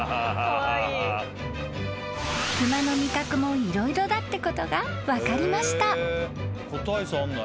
［熊の味覚も色々だってことが分かりました］